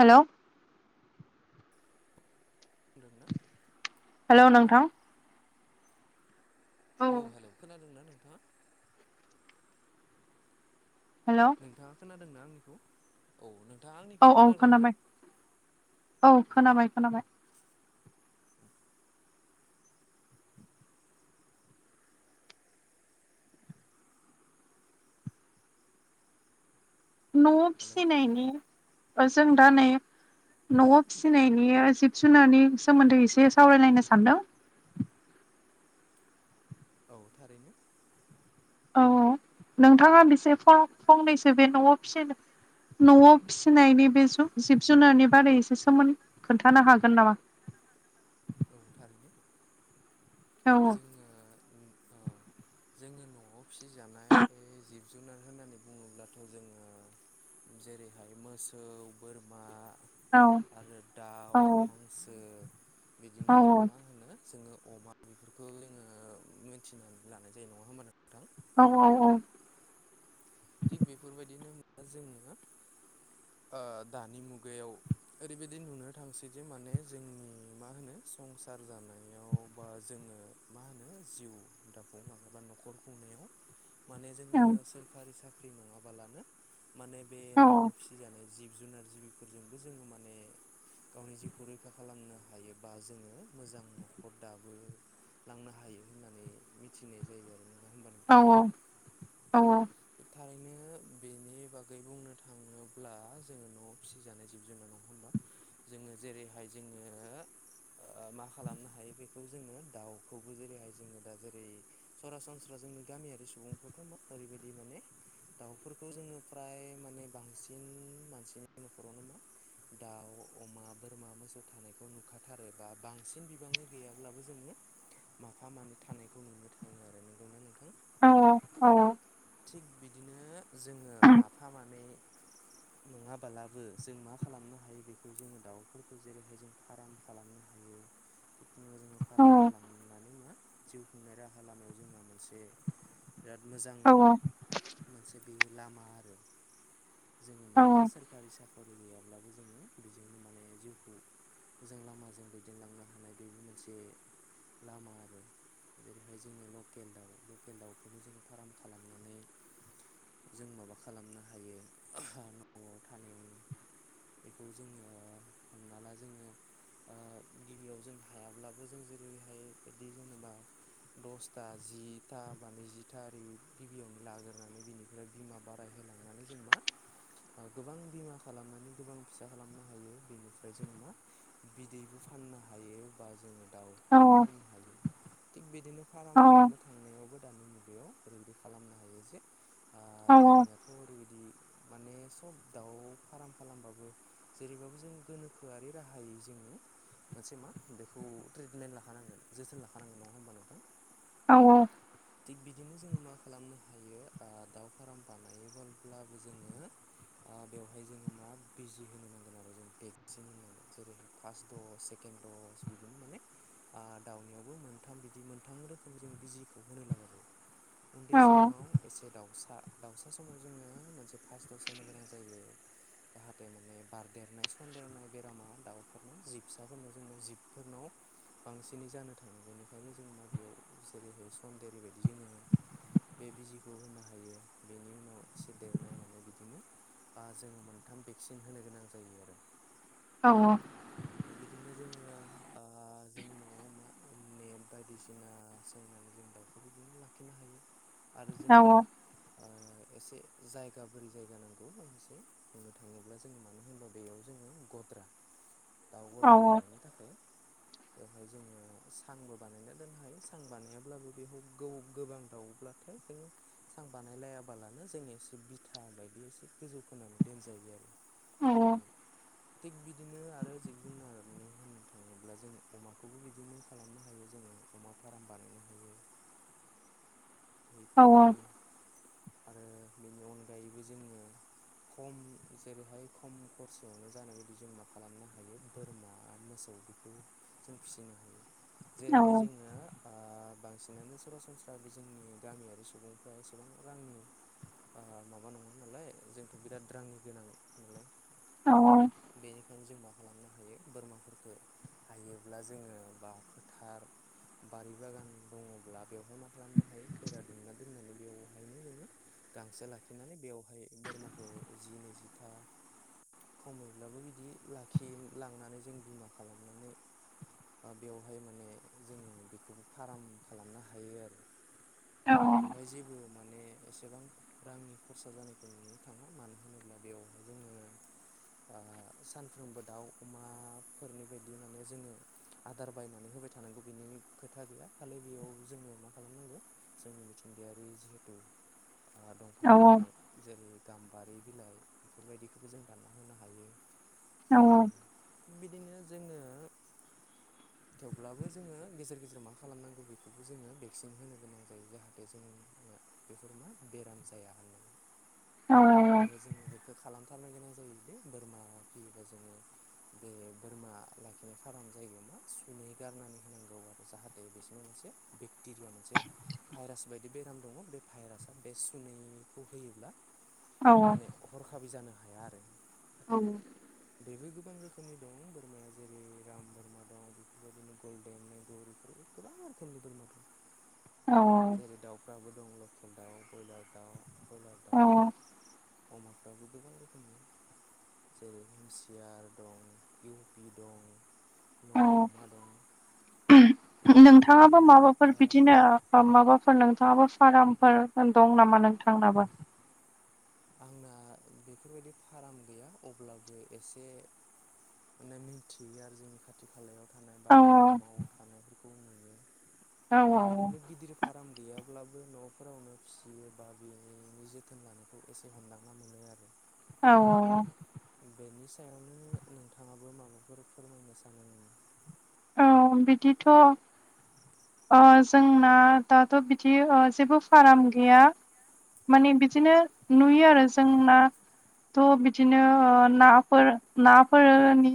हेल'। होनदोंना। हेल' नोंथां। औ हेल' खोनादोंना नोंथाङा? हेल'। नोंथाङा खोनादोंना आंनिखौ? औ नोंथाङा आंनि औ-औ खोनाबाय औ खोनाबाय-खोनाबाय। न'आव हेलौ फिसिनायनि ओ जों दा नै न'आव फिसिनायनि ओ जिब जुनारनि सोमोन्दै एसे सावरायलायनो सानदों। औ थारैनो। औ-औ नोंथाङा बेसे फंनैसो बे न'आव फिसिनो न'आव फिसिनायनि बे जिब जुनारनि बारै एसे सोमोन्द खोन्थानो हागोन नामा? औ थारैनो। औ जोङो उम ओ जोङो न'आव फिसिजानाय ओ जिब जुनार होननानै बुङोब्लाथ' जोङो जेरैहाय मोसौ बोरमा औ आरो दाउ औ हांसो बिदिनो औ आरो मा होनो जोङो अमा बेफोरखौ जोङो मिथिनानै लानाय जायो नङा होमबा नोंथां? औ-औ-औ। थिग बेफोरबायदिनो [inaudible] जोङो ओ दानि मुगायाव ओरैबायदि नुनो थांसै दि माने जोंनि मा होनो संसार जानायाव बा जोङो मा होनो जिउ दाफुंखांनाय बा न'खर खुंनायाव माने औ जोङो सोरखारि साख्रि नङाबालानो माने बे औ न'आव फिसिजानाय जिब जुनार जिबिफोरजोंबो जोङो माने गावनि जिउखौ रैखा खालामनो हायोबा जोङो मोजां न'खर दाबो लांनो हायो होननानै मिथिनाय जायो आरो। होमबा नोंथां? औ-औ औ-औ। थारैनो बेनि बागै बुंनो थाङोब्ला जोङो न'आव फिसिजानाय जिब जुनार नङा होमबा? जोङो जेरैहाय जोङो ओ मा खालामनो हायो बेखौ जोङो दाउखौबो जेरैहाय जोङो दा जेरै सरासनस्रा जोंनि गामियारि सुबुंफ्राथ' मा ओरैबायदि माने दाउफोरखौ जोङो फ्राय माने बांसिन मानसिनि न'खराव मा दाउ अमा बोरमा मोसौ थानायखौ नुखाथारो बा बांसिन बिबाङै गैयाब्लाबो जोङो माफा मानैे थानायखौ नुनो थाङो आरो नोंगौना नोंथां? औ-औ औ-औ। थिग बिदिनो जोङो माफा मानै नङाबालाबो जों मा खालामनो हायो बेखौ जोङो दाउफोरखौ जेरैहाय जों फार्म खालामनो हायो। [inaudible] [unintelligible] जोङो फार्म खालामनानै मा जिउ खुंनाय राहा लामायाव जोंहा मोनसे बिराद मोजां मोनसे बेयो लामा आरो जोङो मा औ होनो सोरखारि साख'रि गैया अब्लाबो जोङो बेजोंनो माने जिउखौ मोजां लामाजों दैदेनलांनो हानाय बेबो मोनसे लामा आरो जेरैहाय जोङो लकेल दाउ लकेल दाउखौबो जोङो फार्म खालामनानै जों माबा खालामनो हायो न'आव थानायावनो बेखौ जोङो हमना ला जोङो ओ गिबियाव जों हायाब्लाबो जों जेरैहाय बिदि जेनेबा दसथा जिथा बा जिथारि गिबियावनो लागोन होनानै बिनिफ्राय बिमा बाराय होलांनानै जों मा ओ गोबां बिमा खालामनानै गोबां फिसा खालामनो हायो बेनिफ्राय जोङो मा बिदैबो फाननो हायो बा जोङो दाउखौबो औ फाननो हायो थिग बिदिनो फार्म खालामनो थांनायावबो दानानि मुगायाव ओरैबायदि खालामनो हायो जे ओ दानियाथ' ओरैबायदि माने सब दाउ फार्म खालामबाबो जेरैबाबो जों गोनोखोआरि राहायै जोङो मोनसे मा बेखौ ट्रिटमेन्ट लाखानांगोन जोथोन लाखानांगोन नङा होमबा नोंथां औ-औ थिग बिदिनो जोङो मा खालामनो हायो ओ दाउ फार्म बानायोब्लाबो जोङो ओ बेवहाय जोङो मा बिजि होनो नांगोन आरो जों भेक्सिन होनो नांगोन जेरैहाय फास दस सेकेन्ड दस बिदिनो माने ओ दाउनियावबो मोनथाम बिदि मोनथाम रोखोम जों बिजिखौ होनो लागा उन्दै समाव दाउसा-दाउसा समाव जोङो मोनसे फास्ट दस होनो गोनां जायो। जाहाथे माने बारदेरनाय सनदेरनाय बेरामा दाउफोरनाव जिबसाफोरनाव जोंनाव जिबफोरनाव बांसिनै जानो थाङो बेनिखायनो जों मा बेयाव जेरैहाय सनदेरै बादि जोङो बे बिजिखौ होनो हायो बेनि उनाव एसे देरनाय मोननाय बिदिनो बा जोङो मोनथाम भेक्सिन होनो गोनां जायो आरो औ औ लांदां बिदिनो जोङो ओ जों न'आव मा नेट बायदिसिना सोंनानै जों दाउ बिदिनो लाखिनो हायो जोंनो ओ एसे जायगा बोरि जायगा नांगौ मसे बुंनो थाङोब्ला जोङो मानो होनोबा बेयाव जोङो गद्रा दाउ गद्रा बानायनो थाखाय बेवहाय जोङो सांबो बानायना दोननो हायो सां बानायाब्लाबो बेखौ गोबां गोबां दाउब्ला थाय जोङो सां बानायलायाबालानो जों एसे बिथा बायदि एसे गोजौ खोनानै दोनजायो आरो बि थिग बिदिनो आरो जिब जुनारनि होननो थाङोब्ला जों अमाखौबो बिदिनो खालामनो हायो जोङो अमा फार्म बानायनो हायो बि दिनो आरो बेनि अनगायैबो जोङो खम जेरैहाय खम खरसयावनो जानाय बायदि जों मा खालामनो हायो बोरमा मोसौ बेखौ जों फिसिनो हायो जेरैहाय जोङो बांसिनानो सरासनस्रा जोंनि गामियारि सुबुंफ्रा एसेबां रांनि माबा नङा नालाय जोंथ' बिराद रांनि गोनां औ बेनिखायनो जों मा खालामनो हायो बोरमाफोरखौ हायोब्ला जोङो बा फोथार बारि बागान दङब्ला बेवहाय मा खालामनो हायो बेरा दुमना दोननानै बेवहायनो जोङो गांसो लाखिनानै बेवहाय बोरमाखौ जि नैजिथा खमायब्लाबो बिदि लाखि लांनानै जों बिमा खालामनानै बेवहाय माने जोङो बेखौबो फार्म खालामनो हायो आरो औ बेवहाय जेबो माने एसेबां रांनि खरसा जानायखौ नुनो थाङा मानो होनोब्ला बेवहाय जोङो सानफ्रोमबो दाउ अमाफोरनि बायदि माने जोङो आदार बायनानै होबाय थानांगौ बिनि खोथा गैया खालि बेयाव जोङो मा खालामनांगौ जों मिथिंगायारि जिहेथु दंफां लाइफां जेरै गाम्बारि बिलाइ बेफोरबायदिखौबो जों दानना होनो हायो बादान बिदिनो जोङो थेवब्लाबो जोङो गेजेर गेजेर मा खालामनांगौ बेखौबो जोङो भेक्सिन होनो गोनां जायो जाहाथे जों बेफोर मा बेराम जाया होननानै आरो जोङो बेखौ खालामथारनो गोनां जायो दे बोरमा फियोबा जोङो बे बोरमा लाखिनाय फार्म जायगायावहा मा सुनै गारनानै होनांगौ आरो जाहाथे बिसोरनाव मोनसे बेक्टेरिया मोनसे भाइरास बायदि बेराम दङ बे भाइरासआ बे सुनैखौ होयोब्ला माने हरखाबि जानो हाया आरो औ बेबो गोबां रोखोमनि दं बोरमाया जेरै राम बोरमा दं बेफोर गल्डेन लेंगुरफोर गोबां रोखोमनि बोरमा दं औ जेरै दाउफ्राबो दं लकेल दाउ ब्रयलार दाउ कयलार दाउ अमाफ्राबो गोबां रोखोमनि जेरै एम सि आर दं इउ पि दं नल अमा दं थिग बेफोरबायदिनो माबाफोर ओ बिदिनो माबाफोर नोंथाङाबो फार्मफोर दं नामा नोंथांनाबो? आंना बेफोरबायदि फार्म गैया अब्लाबो एसे माने मिथियो आरो जोंनि खाथि खालायाव थानाय बा औ हालामाव थानायफोरखौ नुयो औ बा बिदिनो गिदिर फार्म गैयाब्लाबो न'फोरावनो फिसियो बा बेनि जोथोन लानायखौ एसे हमदांना मोनो आरो औ औ औ बेनि सायावनो नोंथाङाबो माबाफोर फोरमायनो सानो नामा औ बिदिथ' अ जोंना दाथ' बिदि जेबो फार्म गैया माने बिदिनो नुयो आरो जोंना थ' बिदिनो नाफोर नाफोरनि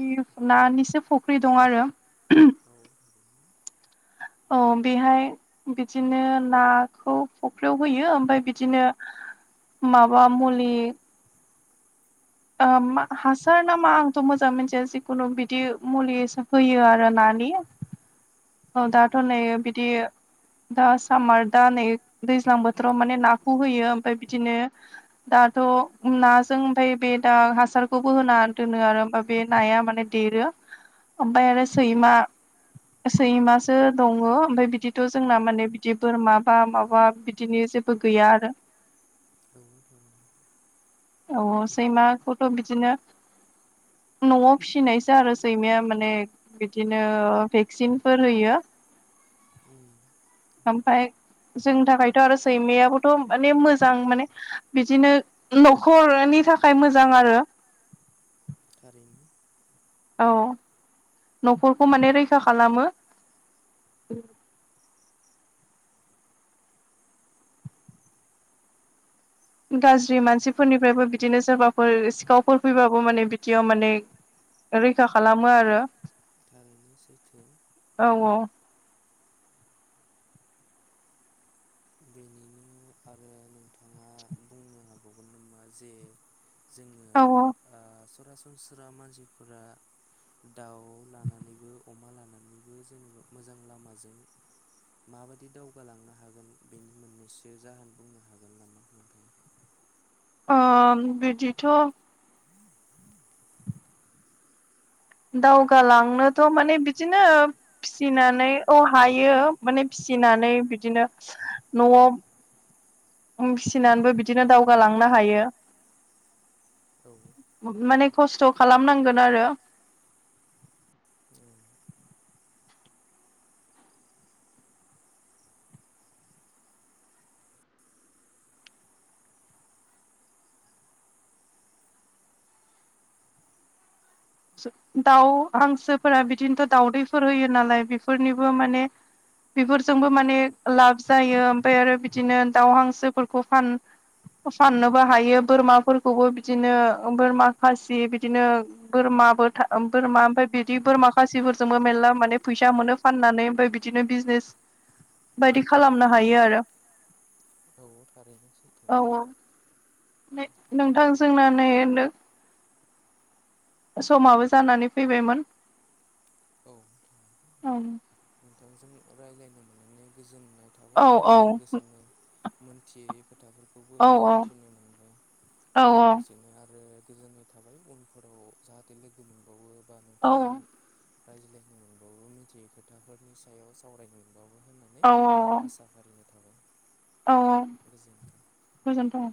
नानिसो फुख्रि दं आरो [unintelligible] [unintelligible] औ बेहाय बिदिनो नाखौ फुख्रियाव होयो ओमफ्राय बिदिनो माबा मुलि ओ हासार नामा आंथ' मोजां मोनथिया जिखुनु बिदि मुलि होयो आरो नानि। औ दाथ' थारैनो नै बिदि दा सामार दा नै दैज्लां बोथोराव माने नाखौ होयो ओमफ्राय बिदिनो दाथ' नाजों ओमफ्राय बे दा हासारखौबो होना दोनो आरो हबा बे नाया माने बि ओमफ्राय आरो सैमा सैमासो दङ ओमफ्राय बिदिथ' जोंना माने बिदि बोरमा बा माबा बिदिनो जे बो गैया आरो। औ। औ सैमाखौथ' बिदिनो न'आव फिसिनायसो आरो सैमाया माने बिदिनो भेक्सिनफोर होयो। उम। ओमफ्राय जोंनि थाखायथ' आरो सैमायाबोथ' माने मोजां माने बिदिनो न खर'नि थाखाय मोजां आरो। थारैनो। औ न'खरखौ माने रैखा खालामो। गाज्रि मानसिफोरनिफ्रायबो बिदिनो सोरबाफोर सिखावफोर फैबाबो माने बिदियाव माने रैखा खालामो आरो। ओं सैथो। औ औ। बेनिनो आरो नोंथाङा बुंनो हाबावगोन नामा जे जोङो औ औ ओ सरासनस्रा मानसिफोरा दाउ लानानैबो अमा लानानैबो जेनेबा मोजां लामाजों माबायदि दावगालांनो हागोन बेनि मोननैसो जाहोन बुंनो हागोन नामा नोंथाङा? औ बिदिथ' [inaudible] दावगा लांनोथ माने बिदिनो फिसिनानै औ हायो माने फिसिनानै बिदिनो न'आव फिसिनानैबो बिदिनो दावगालांनो हायो। औ। माने खस्थ खालामनांगोन आरो। [unintelligible] सो दाउ हांसोफोरा बिदिनोथ दाउदैफोर होयो नालाय बेफोरनिबो माने बेफोरजोंबो माने लाब जायो ओमफाय आरो बिदिनो दाउ हांसोफोरखौ फान फसाननोबो हायो बोरमाफोरखौबो बिदिनो बोरमा खासि बिदिनो बोरमाबो था बोरमा ओमफाय बिदि बोरमा खासिफोरजोंबो मेरला माने फैसा मोनो। फाननानै ओमफाय बिदिनो बिजनेस बायदि खालामनो हायो आरो। औ थारैनो सैथो। औ नोंथां जोंना। [unintelligible] समाबो जानानै फैबायमोन। औ थारैनो औ नोंथांजों रायलायनो मोननानै गोजोननाय थाबाय औ आरो औ लोगोसेनो मोनथियै खोथाफोरखौबो औ औ मोनथिनो मोनबाय औ लोगोसेनो आरो गोजोननाय था थाबाय उनफोराव जाहाथे लोगो मोनबावो बा औ नोंथांजों रायज्लायनो मोनबावो मिथियै खोथाफोरनि सायाव सावरायनो मोनबावो होननानै औ आसा फारिनाय थाबाय। औ औ गोजोन्थों। गोजोनथ